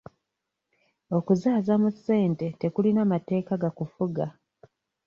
Okuzaaza mu ssente tekulina mateeka gakufuga.